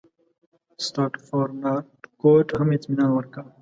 سرسټافورنارتکوټ هم اطمینان ورکړ.